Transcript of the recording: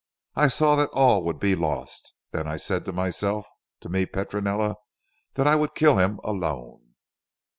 I saw that all would be lost. Then I said to myself, to me Petronella, that I would kill him alone."